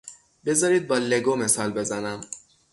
بذارید با لگو مثال بزنم.